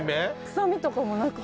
臭みとかもなくて。